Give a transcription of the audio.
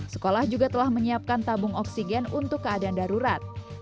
sekolah juga telah menyiapkan tabung oksigen untuk keadaan darurat